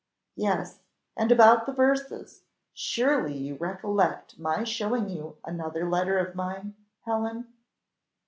"Yes, and about the verses; surely you recollect my showing you another letter of mine, Helen!"